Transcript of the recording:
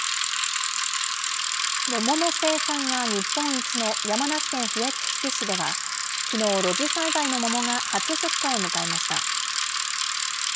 桃の生産が日本一の山梨県笛吹市では、きのう、露地栽培の桃が初出荷を迎えました。